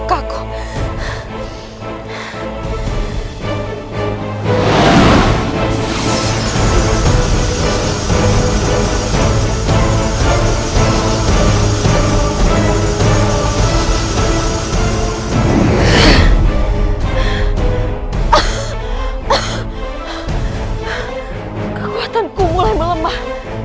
kekuatanku mulai melemah